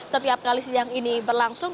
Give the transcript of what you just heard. setiap kali sidang ini berlangsung